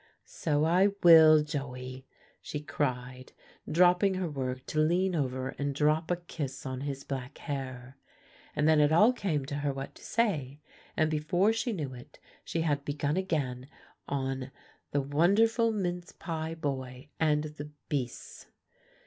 "So I will, Joey," she cried, dropping her work to lean over and drop a kiss on his black hair. And then it all came to her what to say; and before she knew it, she had begun again on "The Wonderful Mince Pie Boy and the Beasts."